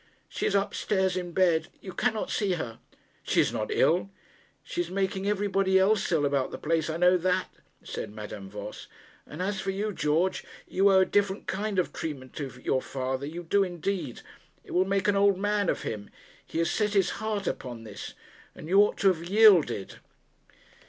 'She is up stairs, in bed. You cannot see her.' 'She is not ill?' 'She is making everybody else ill about the place, I know that,' said Madame Voss. 'And as for you, George, you owe a different kind of treatment to your father; you do indeed. It will make an old man of him. He has set his heart upon this, and you ought to have yielded.'